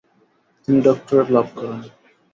তিনি ডক্টরেট লাভ করেন।